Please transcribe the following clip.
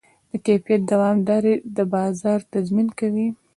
د کیفیت دوامداري د بازار تضمین کوي.